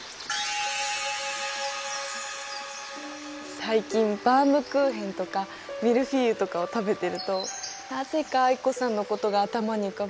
最近バウムクーヘンとかミルフィーユとかを食べてるとなぜか藍子さんのことが頭に浮かぶの。